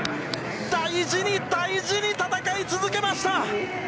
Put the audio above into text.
大事に大事に戦い続けました！